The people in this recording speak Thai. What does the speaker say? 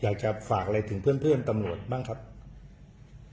อยากจะฝากอะไรถึงเพื่อนเพื่อนตำลวดบ้างครับอ่า